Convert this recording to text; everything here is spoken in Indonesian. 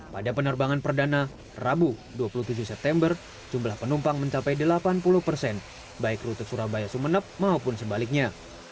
pada penerbangan perdana rabu dua puluh tujuh september jumlah penumpang mencapai delapan puluh persen baik rute surabaya sumeneb maupun sebaliknya